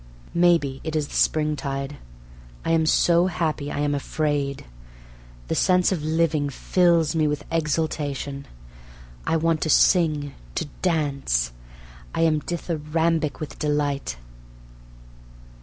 Maybe it is the springtide. I am so happy I am afraid. The sense of living fills me with exultation. I want to sing, to dance; I am dithyrambic with delight.